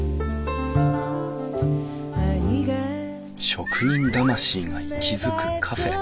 「職人魂が息づくカフェ」